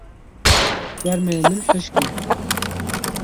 Çermê min hişk e.